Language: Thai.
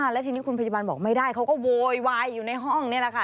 แล้วทีนี้คุณพยาบาลบอกไม่ได้เขาก็โวยวายอยู่ในห้องนี่แหละค่ะ